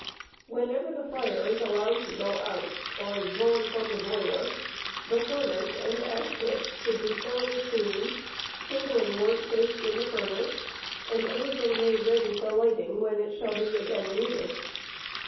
Whenever the fire is allowed to go out, or is drawn from the boiler, the fur p Sf 1 5JJJJ ory nace and ash pit should be thoroughly cleaned, kindling wood placed in the furnace, and everything made ready for lighting when it shall be again needed.